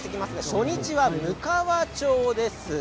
初日は、むかわ町です。